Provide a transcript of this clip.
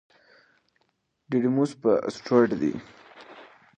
ډیډیموس یو اسټروېډ دی.